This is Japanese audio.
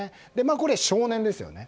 これは少年ですね。